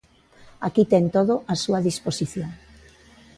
Aquí ten todo á súa disposición.